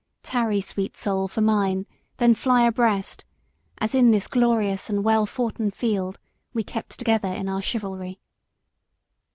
Tarry, sweet soul, for mine, then fly abreast, As in this glorious and well foughten field We kept together in our chivalry."